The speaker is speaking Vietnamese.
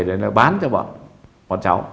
để nó bán cho bọn cháu